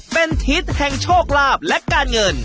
เป็นทิศแห่งโชคลาภและการเงิน